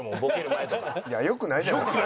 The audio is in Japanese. いやよくないじゃないですか。